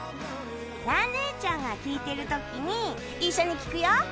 蘭姉ちゃんが聴いてるときに、一緒に聴くよ。